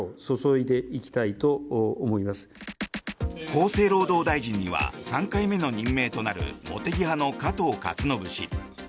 厚生労働大臣には３回目の任命となる茂木派の加藤勝信氏。